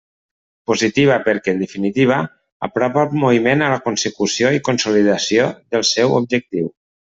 Positiva perquè, en definitiva, apropa el moviment a la consecució i consolidació del seu objectiu.